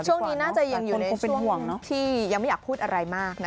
ช่วงนี้น่าจะอยู่ในช่วงที่ยังไม่อยากพูดอะไรมาก